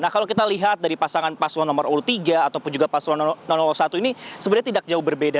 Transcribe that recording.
nah kalau kita lihat dari pasangan paslon nomor urut tiga ataupun juga paslon satu ini sebenarnya tidak jauh berbeda